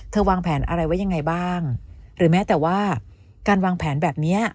วางแผนอะไรไว้ยังไงบ้างหรือแม้แต่ว่าการวางแผนแบบเนี้ย